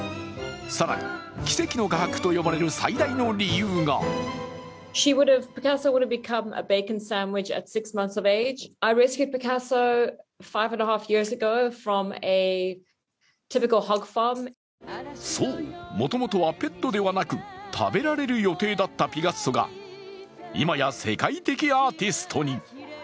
更に奇跡の画伯と呼ばれる最大の理由がそう、もともとはペットではなく食べられる予定だったピガッソが今や世界的アーティストに。